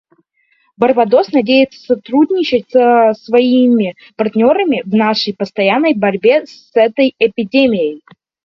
Барбадос надеется сотрудничать со своими партнерами в нашей постоянной борьбе с этой эпидемией.